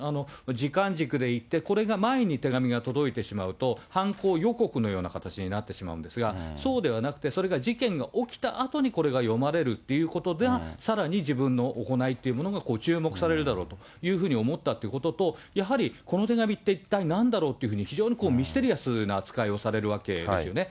時間軸でいって、これが前に手紙が届いてしまうと、犯行予告のような形になってしまうんですが、そうではなくて、それが事件が起きたあとにこれが読まれるということが、さらに自分の行いというものが、注目されるだろうというふうに思ったということと、やはりこの手紙って一体なんだろうっていうふうに非常にミステリアスな扱いをされるわけですよね。